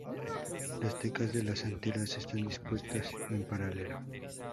Las tecas de las anteras están dispuestas en paralelo.